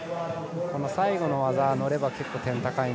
この最後の技乗れば結構点高いんで。